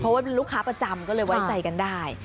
เพราะว่าเป็นลูกค้าประจำก็เลยไว้ใจกันได้